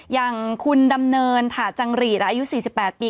อย่างคุณดำเนินถาจังหรีดอายุ๔๘ปี